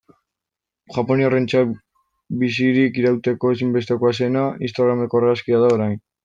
Japoniarrentzat bizirik irauteko ezinbestekoa zena, instagrameko argazkia da orain.